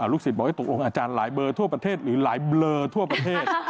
ศิษย์บอกว่าตกลงอาจารย์หลายเบอร์ทั่วประเทศหรือหลายเบลอทั่วประเทศ